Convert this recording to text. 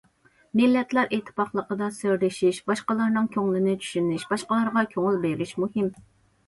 مىللەتلەر ئىتتىپاقلىقىدا سىردىشىش، باشقىلارنىڭ كۆڭلىنى چۈشىنىش، باشقىلارغا كۆڭۈل بېرىش مۇھىم.